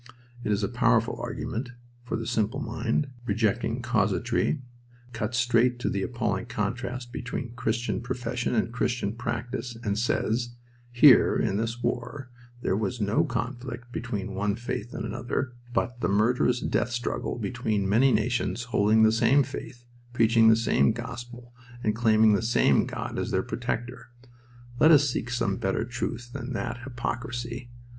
It is a powerful argument, for the simple mind, rejecting casuistry, cuts straight to the appalling contrast between Christian profession and Christian practice, and says: "Here, in this war, there was no conflict between one faith and another, but a murderous death struggle between many nations holding the same faith, preaching the same gospel, and claiming the same God as their protector. Let us seek some better truth than that hypocrisy!